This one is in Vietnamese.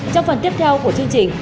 trong phần tiếp theo của chương trình